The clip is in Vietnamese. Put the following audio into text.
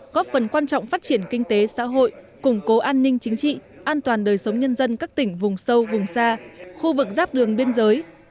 góp phần quan trọng phát triển kinh tế xã hội củng cố an ninh chính trị an toàn đời sống nhân dân các tỉnh vùng sâu vùng xa khu vực giáp đường biên giới